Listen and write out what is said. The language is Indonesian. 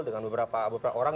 dengan beberapa orang